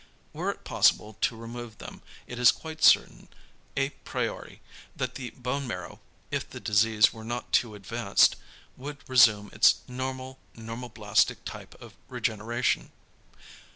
Were it possible to remove them, it is quite certain à priori that the bone marrow if the disease were not too advanced would resume its normal normoblastic type of regeneration.